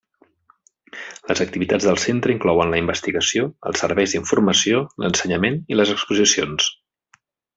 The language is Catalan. Les activitats del centre inclouen la investigació, els serveis d'informació, l'ensenyament i les exposicions.